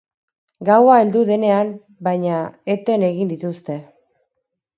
Gaua heldu denean, baina, eten egin dituzte.